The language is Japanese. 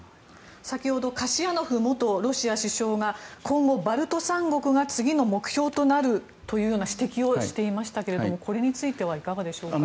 先ほどカシヤノフ元ロシア首相が今後、バルト三国が次の目標となるという指摘をしていましたけれどこれについてはいかがでしょうか。